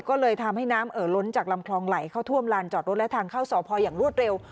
ก็เลยทำให้น้ำเอ่อล้นจากลำคลองไหลเข้าท่วมลานจอดรถและทางเข้าสพอย่างรวดเร็ว